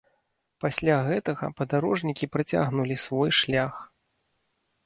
Пасля гэтага падарожнікі працягнулі свой шлях.